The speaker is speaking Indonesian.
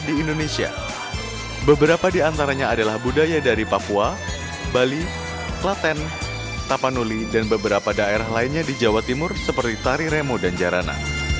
di indonesia beberapa di antaranya adalah budaya dari papua bali klaten tapanuli dan beberapa daerah lainnya di jawa timur seperti tari remo dan jarana